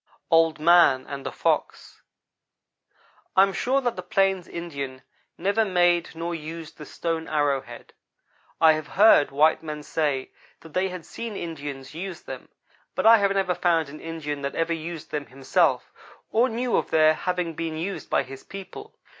OLD MAN AND THE FOX I AM sure that the plains Indian never made nor used the stone arrow head. I have heard white men say that they had seen Indians use them; but I have never found an Indian that ever used them himself, or knew of their having been used by his people.